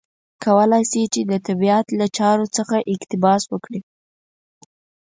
کولای شي چې د طبیعت له چارو څخه اقتباس وکړي.